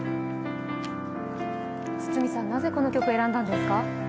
堤さん、なぜこの曲を選んだんですか？